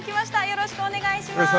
よろしくお願いします。